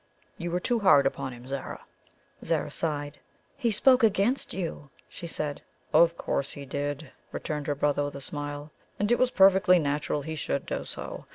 You were too hard upon him, Zara!" Zara sighed. "He spoke against you," she said. "Of course he did," returned her brother with a smile. "And it was perfectly natural he should do so.